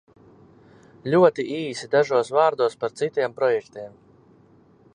Ļoti īsi dažos vārdos par citiem projektiem.